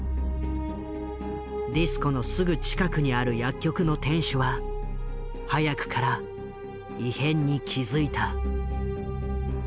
ディスコのすぐ近くにある薬局の店主は早くから異変に気付いた。